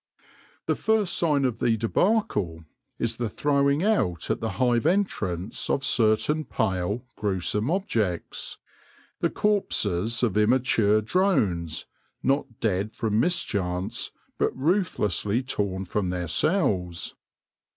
The first sign of the debacle is the throwing out at the hive entrance of certain pale, gruesome objects — the corpses of immature drones, not dead from mis chance, but ruthlessly torn from their cells.